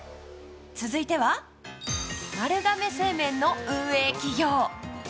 続いては、丸亀製麺の運営企業。